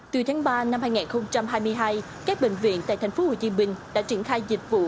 từ tháng ba năm hai nghìn hai mươi hai các bệnh viện tại thành phố hồ chí minh đã triển khai dịch vụ